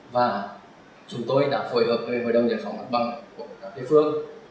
và chúng tôi đã phối hợp với hội đồng giải phóng mặt bằng của các địa phương